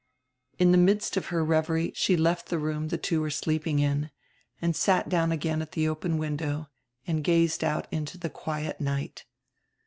In the midst of her revery she left the room the two were sleeping in and sat down again at the open window and gazed out into the quiet night.